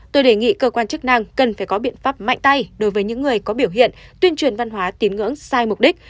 tôi đề nghị cơ quan chức năng cần phải có biện pháp mạnh tay đối với những người có biểu hiện tuyên truyền văn hóa tín ngưỡng sai mục đích